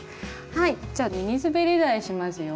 はいじゃあミニすべり台しますよ。